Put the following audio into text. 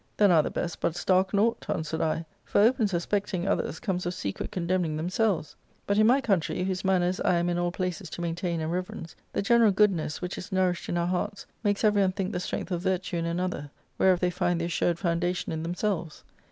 * Then are the best but stark naught,' answered I ; ■*Jor opsji suspectiiig^^others .cQCies of secret, condemning^ themselves ; but in my country, whose manners I am in all places to maintain and reverence, the general goodness, which is nourished in our hearts, makes every one think the | strength of virtue in another, whereof they find the assured foundation in themselves.'